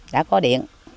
đã có điện